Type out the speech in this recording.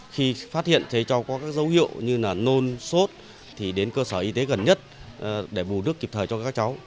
khi phát hiện thấy cháu có các dấu hiệu như là nôn sốt thì đến cơ sở y tế gần nhất để bù nước kịp thời cho các cháu